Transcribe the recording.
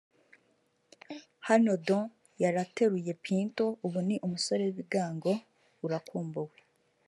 Hano Don yari ateruye Pinto (ubu ni umusore w’ibigango) […] Urakumbuwe